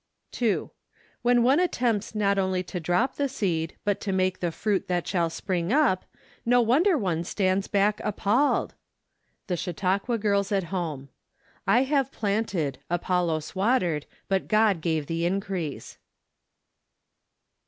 2. When one attempts not only to drop the seed, but to make the fruit that shall spring up, no wonder one stands back appalled ! The Chautauqua Girls at Home. " I have planted , Apollos watered; but God gave the increase